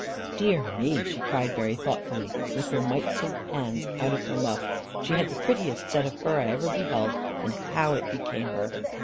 "Dear me!" she cried very thoughtfully, with her mites of hands out of her muff she had the prettiest set of fur I ever beheld, and how it became her!